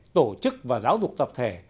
tổ chức và giáo dục tập thể